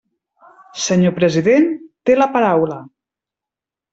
Senyor president, té la paraula.